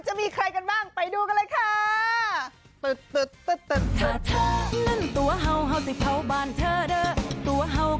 จะมีใครกันบ้างไปดูกันเลยค่ะ